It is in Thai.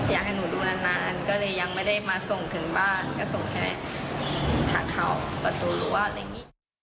อยากให้หนูรู้นานก็เลยยังไม่ได้มาส่งถึงบ้านก็ส่งแค่ถักเขาประตูรวจ